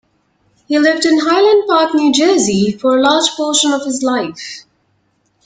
He lived in Highland Park, New Jersey, for a large portion of his life.